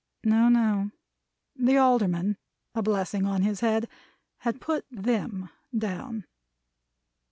No, no. The Alderman (a blessing on his head!) had Put them Down.